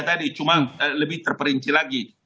tadi cuma lebih terperinci lagi